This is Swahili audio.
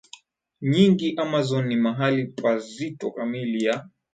nyingi Amazon ni mahali pazito kamili ya